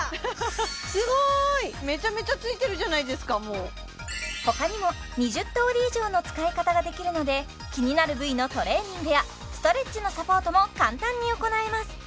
すごーいめちゃめちゃついてるじゃないですかもう他にも２０通り以上の使い方ができるので気になる部位のトレーニングやストレッチのサポートも簡単に行えます